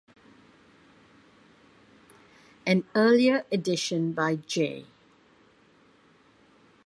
An earlier edition by J.